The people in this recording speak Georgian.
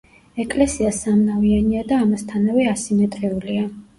ეკლესია სამნავიანია და ამასთანავე ასიმეტრიულია.